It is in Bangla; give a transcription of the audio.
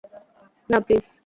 না, প্লিজ!